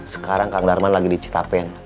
sekarang kang darman lagi dicita pen